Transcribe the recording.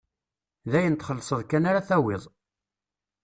D ayen txellṣeḍ kan ara tawiḍ.